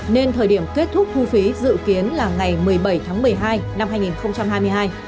nên thời điểm kết thúc thu phí dự kiến là ngày một mươi bảy tháng một mươi hai năm hai nghìn hai mươi hai